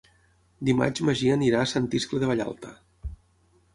Dimarts en Magí anirà a Sant Iscle de Vallalta.